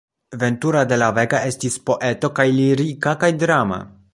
Ventura de la Vega estis poeto kaj lirika kaj drama.